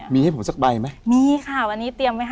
มีให้ผมสักใบไหม